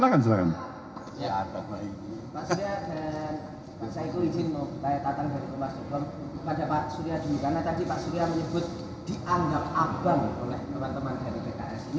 dianggap abang oleh teman teman dari pks